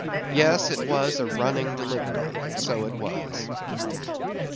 Yes, it was a running delivery, so it was.